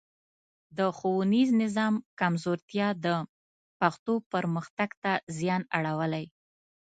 د ښوونیز نظام کمزورتیا د پښتو پرمختګ ته زیان اړولی.